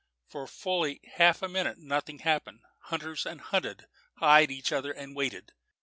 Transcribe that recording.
For fully half a minute nothing happened; hunters and hunted eyed each other and waited.